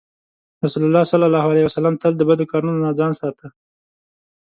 رسول الله ﷺ تل د بدو کارونو نه ځان ساته.